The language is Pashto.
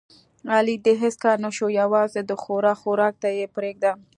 علي د هېڅ کار نشو یووازې د ښوروا خوراک ته یې پرېږده.